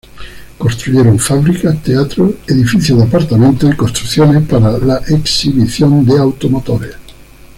Construyeron fábricas, teatros, edificios de apartamentos y construcciones para la exhibición de automotores.